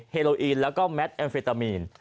เโลอีนแล้วก็แมทแอมเฟตามีน